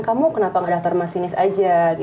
kamu kenapa nggak daftar masinis aja gitu